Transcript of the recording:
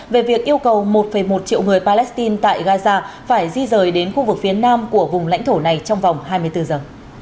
về việc yêu cầu một một triệu người palestine tại gaza phải di rời đến khu vực phía nam của vùng lãnh thổ này trong vòng hai mươi bốn giờ